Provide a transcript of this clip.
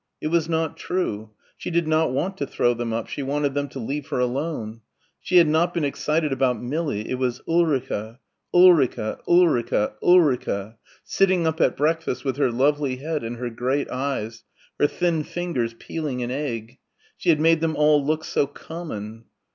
It was not true. She did not want to throw them up. She wanted them to leave her alone.... She had not been excited about Millie. It was Ulrica, Ulrica ... Ulrica ... Ulrica ... sitting up at breakfast with her lovely head and her great eyes her thin fingers peeling an egg.... She had made them all look so "common."